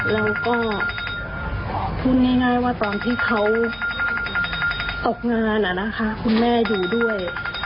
แล้วก็พูดง่ายว่าตอนที่เขาตกงานคุณแม่อยู่ด้วย